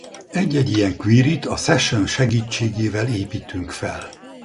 Egy-egy ilyen query-t a session segítségével építünk fel.